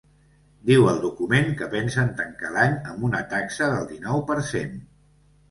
Diu el document que pensen tancar l’any amb una taxa del dinou per cent.